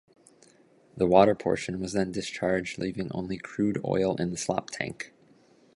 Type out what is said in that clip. The water portion was then discharged, leaving only crude oil in the slop tank.